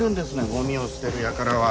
ゴミを捨てるやからは。